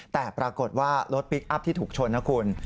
แต่ปรากฏว่ารถพลิกอัพที่ถูกชนนะคุณ